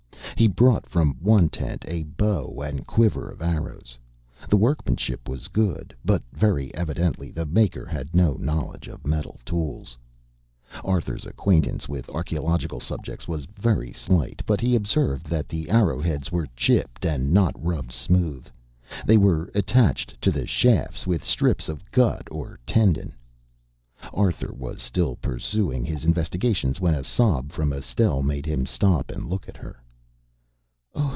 He brought from one tent a bow and quiver of arrows. The workmanship was good, but very evidently the maker had no knowledge of metal tools. Arthur's acquaintance with archeological subjects was very slight, but he observed that the arrow heads were chipped, and not rubbed smooth. They were attached to the shafts with strips of gut or tendon. Arthur was still pursuing his investigation when a sob from Estelle made him stop and look at her.